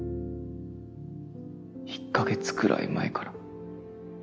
１か月くらい前から。